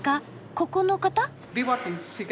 ここの方？